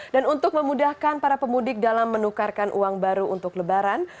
dan untuk memudahkan para pemudik dalam menukarkan uang baru untuk lebaran